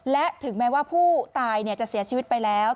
และถึงแม้ว่าผู้ตายจะเสียชีวิตไปแล้ว